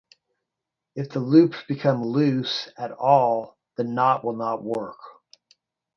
If the loops become loose at all the knot will not work.